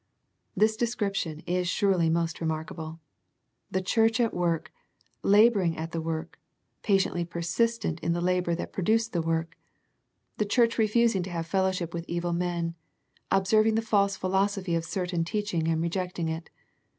This description is surely most remarkable. The church at work, labouring at the work, patiently persistent in the labour that produced the work. The church refusing to have fel lowship with evil men, observing the false philosophy of certain teaching and rejecting it.